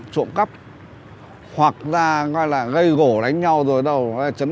thường là trộm cắp hoặc ra gây gỗ đánh nhau rồi đâu